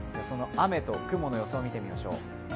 雨と雲の予想を見てみましょう。